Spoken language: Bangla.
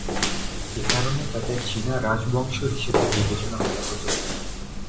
একারণে তাদের চীনা রাজবংশ হিসেবে বিবেচনা করা হতো।